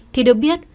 thì được biết